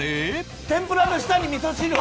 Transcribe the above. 天ぷらの下に味噌汁を！